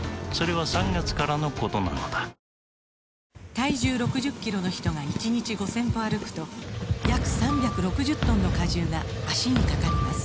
体重６０キロの人が１日５０００歩歩くと約３６０トンの荷重が脚にかかります